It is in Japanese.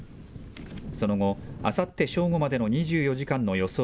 その後、あさって正午までの２４時間の予想